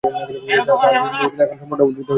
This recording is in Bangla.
তাঁহার ভাষণটি এখানে সম্পূর্ণ উদ্ধৃত হইতেছে।